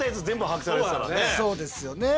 そうですよね。